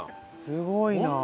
すごいな！